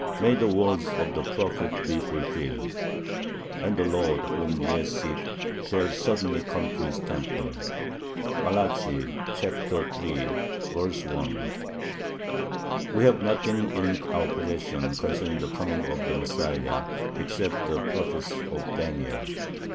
May the words of the prophet be fulfilled: "And the Lord, whom ye seek, shall suddenly come to His temple" (Mal. iii. 1). We have nothing in our possession [concerning the coming of the Messiah] except the prophecy of Daniel.